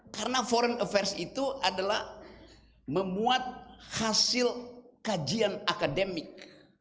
karena foreign affairs itu adalah memuat hasil kajian akademik